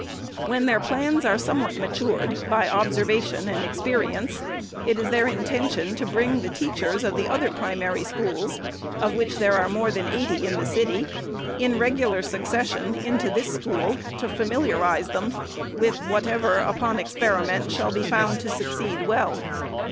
When their plans are somewhat matured by observation and experience, it is their inten tion to bring the teachers of the other Primary Schools (of which there are more than eighty in the city) in regular succession into this school, to familiarize them with whatever, upon experiment, shall be found to suc ceed well.